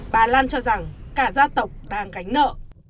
bà lan cho rằng cả gia tộc đang gánh nợ